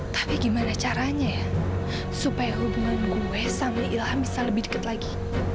tapi gimana caranya ya supaya hubungan gue sama ilham bisa lebih dekat lagi